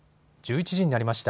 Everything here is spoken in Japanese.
１１時になりました。